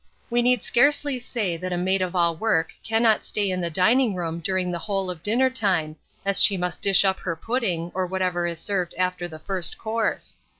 We need scarcely say that a maid of all work cannot stay in the dining room during the whole of dinner time, as she must dish up her pudding, or whatever is served after the first course.